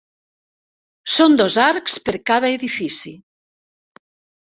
Són dos arcs per cada edifici.